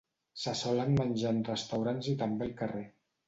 Se solen menjar en restaurants i també al carrer.